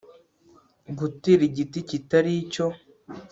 gutera igiti kitari cyo